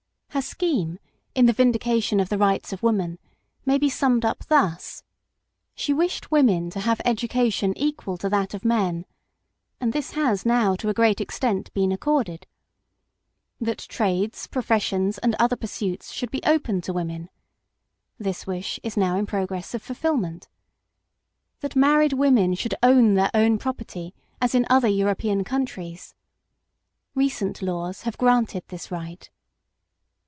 Her scheme in the Vindication of the Rights of Woman may be summed up thus : She wished women to have education equal to that of men, and this has now to a great extent been accorded. That trades, professions, and other pursuits should be open to women. This wish is now in progress of fulfilment. That married women should own their own property as in other European countries. Recent laws have granted this right.